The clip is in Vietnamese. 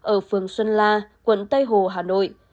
ở phường xuân la quận tây hồ hà nội